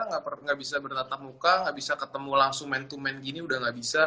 nggak bisa bertatap muka nggak bisa ketemu langsung main to main gini udah gak bisa